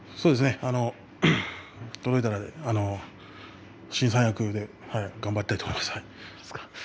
届いたら新三役で頑張ってみたいと思います。